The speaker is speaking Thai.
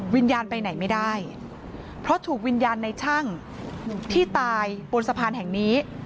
วิญญาณไปไหนไม่ได้เพราะถูกวิญญาณในช่างที่ตายบนสะพานแห่งนี้